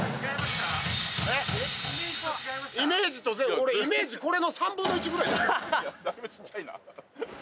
イメージ、俺、これの３分の１ぐらい。